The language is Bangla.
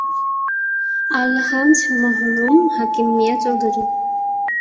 আলহাজ্ব মরহুম হাকিম মিঞা চৌধুরী।